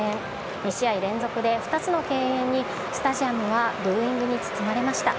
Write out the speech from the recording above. ２試合連続で２つの敬遠に、スタジアムはブーイングに包まれました。